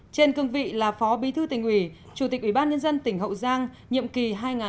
trên cơ vị là phó bí thư tỉnh ủy chủ tịch ủy ban nhân dân tỉnh hậu giang nhiệm kỳ hai nghìn một mươi hai nghìn một mươi năm